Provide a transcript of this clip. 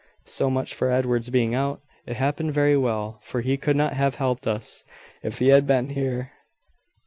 "So much for Edward's being out. It happened very well; for he could not have helped us, if he had been here.